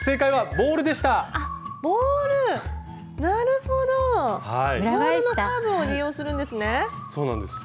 ボウルのカーブを利用するんですね。